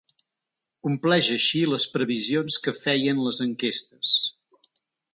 Compleix així les previsions que feien les enquestes.